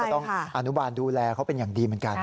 ต้องอนุบาลดูแลเขาเป็นอย่างดีเหมือนกัน